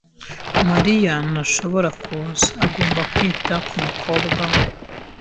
Mariya ntashobora kuza. Agomba kwita ku mukobwa we.